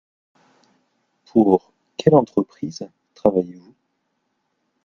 Pour quelle entreprise travaillez-vous ?